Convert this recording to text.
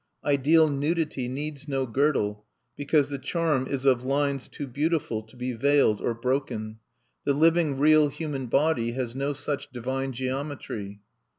Ideal nudity needs no girdle, because the charm is of lines too beautiful to be veiled or broken. The living real human body has no such divine geometry.